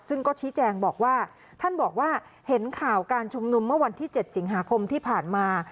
ซึ่งก็ชี้แจงบอกว่าท่านบอกว่าเห็นข่าวการชุมนุมเมื่อวันที่๗สิงหาคมที่ผ่านมา